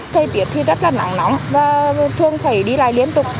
thời tiết thì rất là nắng nóng và thường phải đi lại liên tục